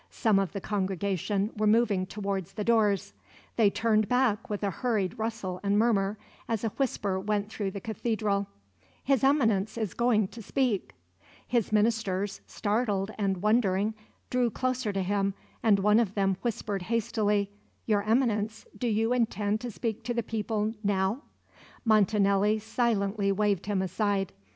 Some of the congregation were moving towards the doors; and they turned back with a hurried rustle and murmur, as a whisper went through the Cathedral: "His Eminence is going to speak." His ministers, startled and wondering, drew closer to him and one of them whispered hastily: "Your Eminence, do you intend to speak to the people now?" Montanelli silently waved him aside.